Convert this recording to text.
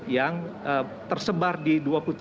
yang tersebar di dua puluh tiga tps itu